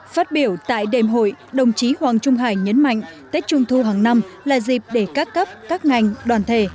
phát biểu tại đêm hội đồng chí hoàng trung hải nhấn mạnh tết trung thu hàng năm là dịp để các cấp các ngành đoàn thể